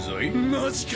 マジか。